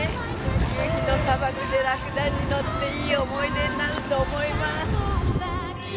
夕日の砂漠でラクダに乗っていい思い出になると思います